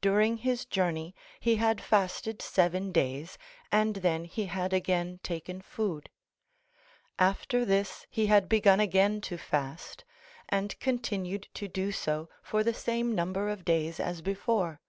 During his journey he had fasted seven days and then he had again taken food. After this he had begun again to fast, and continued to do so for the same number of days as before.